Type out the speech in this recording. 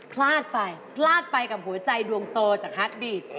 พลาดไปพลาดไปกับหัวใจดวงโตจากฮักดีด